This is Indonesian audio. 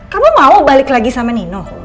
kamu mau balik lagi sama nino